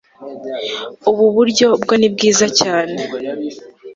ubu buryo bwo ni bwiza cyane